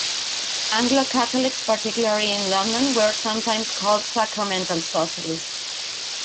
Anglo-Catholics, particularly in London, were sometimes called "sacramental socialists".